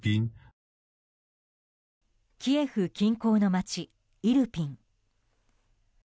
キエフ近郊の街イルピン。